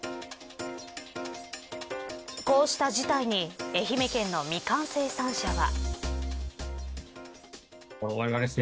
こうした事態に愛媛県のミカン生産者は。